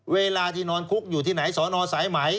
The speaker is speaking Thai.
เวลาที่นอนคุกอยู่ที่ไหนสอนอสายไหม